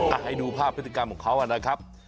ให้ดูภาพพฤติกรรมของเขานะครับ